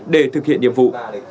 để thực hiện nhiệm vụ